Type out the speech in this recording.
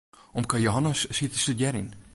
Omke Jehannes siet te studearjen.